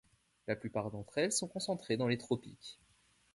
La plupart d’entre elles sont concentrées dans les tropiques.